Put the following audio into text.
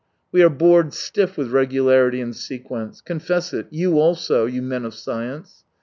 We are bored stiff with regu larity and sequence — confess it, you also, you men of science.